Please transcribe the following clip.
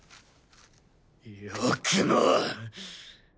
よくも！